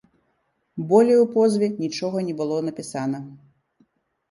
Болей у позве нічога не было напісана.